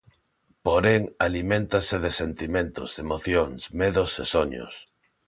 Porén, aliméntase de sentimentos, emocións, medos e soños.